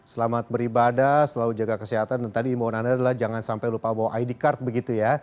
selamat beribadah selalu jaga kesehatan dan tadi imbauan anda adalah jangan sampai lupa bawa id card begitu ya